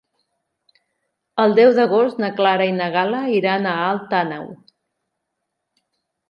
El deu d'agost na Clara i na Gal·la iran a Alt Àneu.